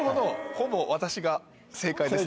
ほぼ私が正解ですね。